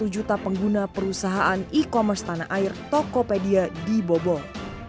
satu juta pengguna perusahaan e commerce tanah air tokopedia dibobol